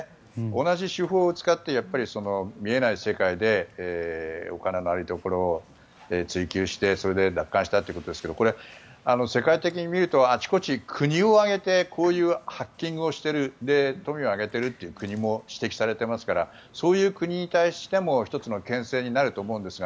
同じ手法を使って見えない世界でお金のありどころを追求して奪還したということですがこれ、世界的に見るとあちこち、国を挙げてこういうハッキングをしている富を挙げているという国も指摘されていますからそういう国に対しても１つのけん制になると思うんですが